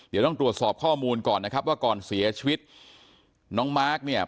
เดี๋ยวต้องตรวจสอบข้อมูลก่อนนะครับว่าก่อนเสียชีวิตน้องมาร์คเนี่ย